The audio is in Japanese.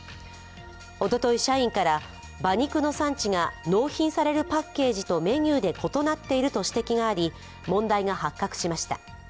おととい、社員から馬肉の産地が納品されるパッケージとメニューで異なっていると指摘があり問題が発覚しました。